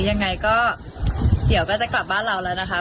ยังไงก็เดี๋ยวก็จะกลับบ้านเราแล้วนะคะ